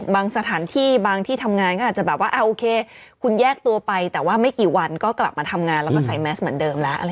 สถานที่บางที่ทำงานก็อาจจะแบบว่าโอเคคุณแยกตัวไปแต่ว่าไม่กี่วันก็กลับมาทำงานแล้วก็ใส่แมสเหมือนเดิมแล้ว